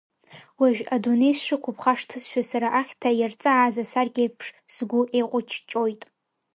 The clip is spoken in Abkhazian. Уажә адунеи сшықәу бхашҭызшәа, сара ахьҭа иарҵааз асаркьеиԥш сгәы еиҟәыҷҷоит…